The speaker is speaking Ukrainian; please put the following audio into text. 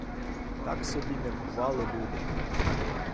Так собі міркували люди.